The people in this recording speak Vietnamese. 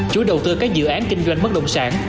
chủ đầu tư các dự án kinh doanh mất đồng sản